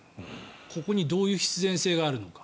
ここにどういう必然性があるのか。